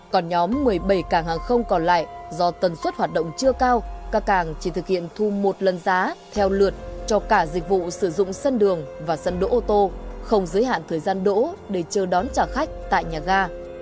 còn nhóm một mươi bảy cảng hàng không còn lại do tần suất hoạt động chưa cao các cảng chỉ thực hiện thu một lần giá theo lượt cho cả dịch vụ sử dụng sân đường và sân đỗ ô tô không giới hạn thời gian đỗ để chờ đón trả khách tại nhà ga